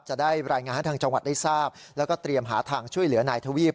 จะได้รายงานให้ทางจังหวัดได้ทราบแล้วก็เตรียมหาทางช่วยเหลือนายทวีป